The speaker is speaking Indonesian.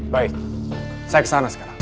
baik saya kesana sekarang